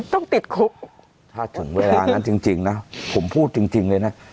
ต้องติดคุกถ้าถึงเวลานั้นจริงนะผมพูดจริงเลยนะ